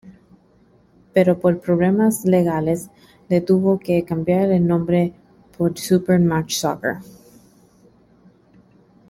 Pero por problemas legales le tuvo que cambiar el nombre por "Super Match Soccer".